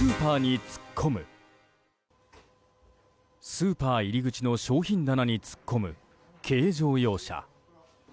スーパー入り口の商品棚に突っ込む軽乗用車。